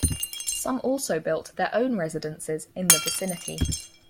Some also built their own residences in the vicinity.